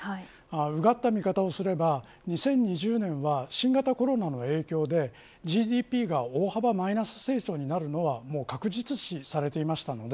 うがった見方をすれば２０２０年は新型コロナの影響でＧＤＰが大幅マイナス成長になるのは確実視されていましたので